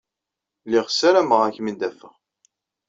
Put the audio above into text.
Lliɣ ssarameɣ ad kem-id-afeɣ.